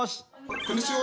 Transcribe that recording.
こんにちは！